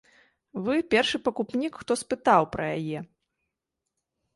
Вы першы пакупнік, хто спытаў пра яе.